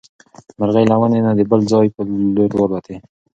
مرغۍ له ونې نه د بل ځای په لور والوتې.